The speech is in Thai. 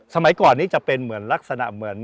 สมัยก่อนนี้จะเป็นเหมือนลักษณะเหมือน